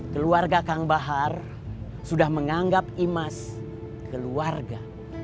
keluarga kang bahar sudah menganggap imas keluarga